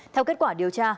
theo kết quả điều tra